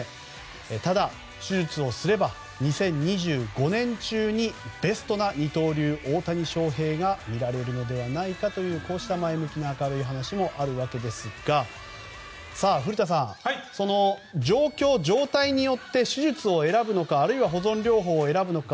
ただ、手術をすれば２０２５年中にベストな二刀流の大谷翔平が見られるのではないかとこうした前向きな話もあるわけですが古田さんその状況、状態によって手術を選ぶのか保存療法を選ぶのか。